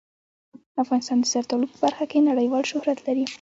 افغانستان د زردالو په برخه کې نړیوال شهرت لري.